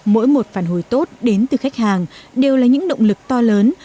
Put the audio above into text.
mỗi một phản hồi tốt đến từ khách hàng đều là những động lực to lớn